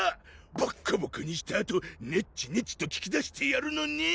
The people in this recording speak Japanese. ボッコボコにしたあとネッチネチと聞き出してやるのねん！